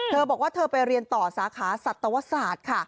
เธอบอกว่าเธอไปเรียนต่อสาขาสัตวศาสตร์ค่ะ